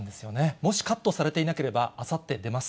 もしカットされていなければ、あさって出ます。